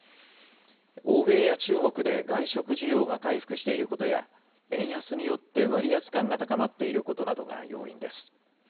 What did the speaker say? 欧米や中国で外食需要が回復していることや、円安によって割安感が高まっていることなどが要因です。